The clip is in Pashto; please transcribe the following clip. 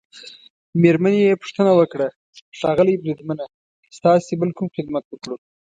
مېرمنې يې پوښتنه وکړه: ښاغلی بریدمنه، ستاسي بل کوم خدمت وکړو؟